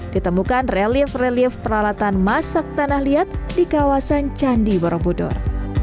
ditemukan relief relief peralatan masak tanah liat di kawasan candi borobudur